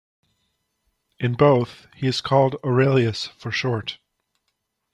In both he is called "Aurelius" for short.